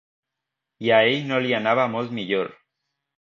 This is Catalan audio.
I a ell no li anava molt millor.